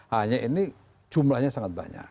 hanya ini jumlahnya sangat banyak